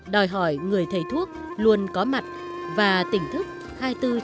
đòi hỏi người thầy thuốc lúc nào đó vắng bệnh nhân thì vẫn không thể không có mặt người thầy thuốc